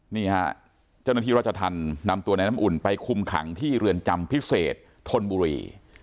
นี่ฮะเจ้าหน้าที่ราชธรรมนำตัวในน้ำอุ่นไปคุมขังที่เรือนจำพิเศษทนบุรี